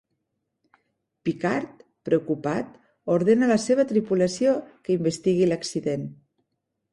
Picard, preocupat, ordena a la seva tripulació que investigui l'accident.